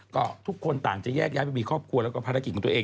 ก็ทุกคนต่างจะแยกย้ายไปมีครอบครัวแล้วก็ภารกิจของตัวเอง